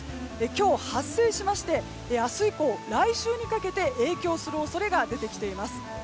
今日、発生しまして明日以降、来週にかけて影響する恐れが出てきています。